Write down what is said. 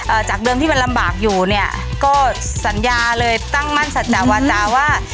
จากเดิมที่มันลำบากอยู่เนี่ยก็สัญญาเลยตั้งมั่นสัจจาวาจาว่า